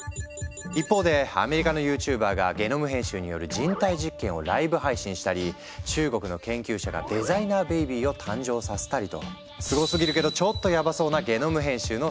一方でアメリカのＹｏｕＴｕｂｅｒがゲノム編集による人体実験をライブ配信したり中国の研究者がデザイナーベビーを誕生させたりとすごすぎるけどちょっとヤバそうなゲノム編集の世界。